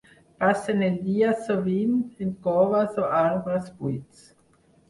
Passen el dia, sovint, en coves o arbres buits.